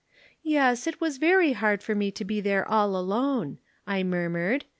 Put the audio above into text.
"'Yes, it was very hard for me to be there all alone,' I murmured.